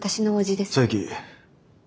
佐伯。